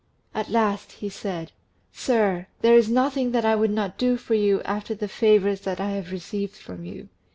At last he said "Sir, there is nothing that I would not do for you after the favours that I have received from you.